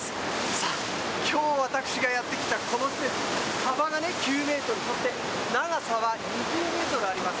さあ、きょう私がやって来たこの施設、幅が９メートル、そして長さは２０メートルあります。